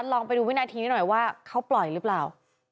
ลองไปดูวินาทีนี้หน่อยว่าเขาปล่อยหรือเปล่า